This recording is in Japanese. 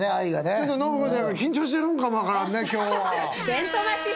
ちょっと信子ちゃんが緊張してるかも分からん今日は。